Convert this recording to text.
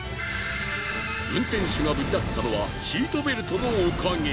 運転手が無事だったのはシートベルトのおかげ。